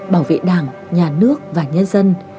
bảo vệ đảng nhà nước và nhân dân